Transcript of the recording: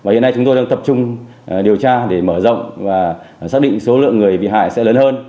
và hiện nay chúng tôi đang tập trung điều tra để mở rộng và xác định số lượng người bị hại sẽ lớn hơn